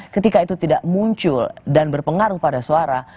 ketika itu tidak muncul dan berpengaruh pada suara